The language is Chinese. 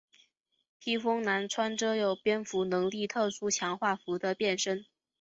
披风男穿着有蝙蝠能力特殊强化服的变身。